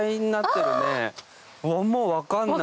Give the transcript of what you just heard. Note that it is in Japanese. もう分かんない。